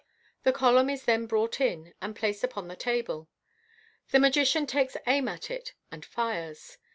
The column is then brought in, and placed upon the table. The magician takes aim at it, and fires.